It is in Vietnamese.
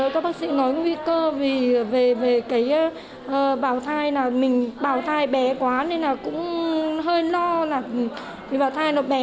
có nguy cơ về bảo thai mình bảo thai bé quá nên là cũng hơi lo là bảo thai nó bé